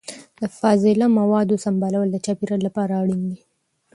د فاضله موادو سمبالول د چاپیریال لپاره اړین دي.